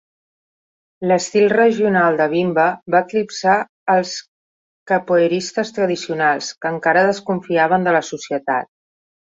L'estil regional de Bimba va eclipsar els capoeiristes tradicionals, que encara desconfiaven de la societat.